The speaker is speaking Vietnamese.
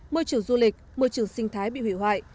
môi trường du lịch môi trường sinh thái bị hủy hoại